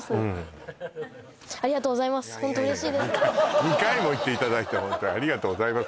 ２回２回も言っていただいてホントありがとうございます